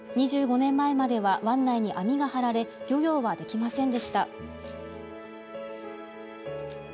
２５年前までは湾内に網が張られ漁業はできませんでした。